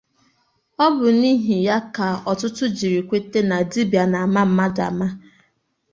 Ọ bụ n'ihi ya ka ọtụtụ jiri kwete na dibịa na-ama mmadụ ama